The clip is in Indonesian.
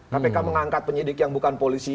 kpk mengangkat penyidik yang bukan polisi